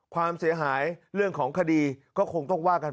ความเสียหายเรื่องของคดีก็คงต้องว่ากัน